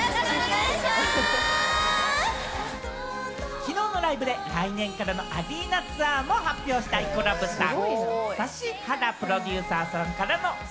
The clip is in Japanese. きのうのライブで、来年からのアリーナツアーも発表したイコラブさん。